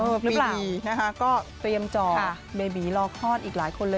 พี่บีนะคะก็เตรียมจ่อเบบีรอคลอดอีกหลายคนเลย